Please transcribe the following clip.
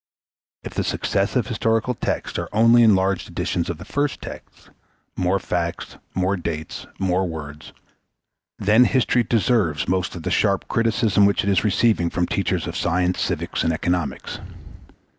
If the successive historical texts are only enlarged editions of the first text more facts, more dates, more words then history deserves most of the sharp criticism which it is receiving from teachers of science, civics, and economics.